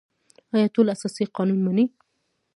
آیا ټول اساسي قانون مني؟